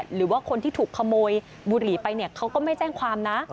หรือว่าคนที่ถูกขโมยบุหรี่ไปเนี่ยเขาก็ไม่แจ้งความนะ